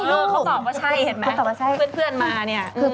ใช่ลูกคุณตอบว่าใช่เห็นไหมเพื่อนมานี่อืม